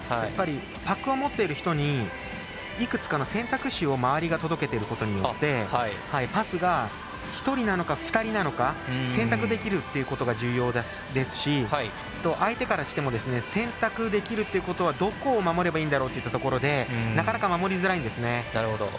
やっぱりパックを持っている人にいくつかの選択肢を周りが届けてることによってパスが１人なのか２人なのか選択できるということが重要ですし相手からしても選択できるっていうことはどこを守ればいいんだろうというところでなかなか守りづらいんですね。